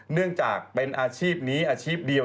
เนื่องจากเป็นอาชีพนี้อาชีพเดียว